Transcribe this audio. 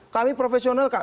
kami profesional kak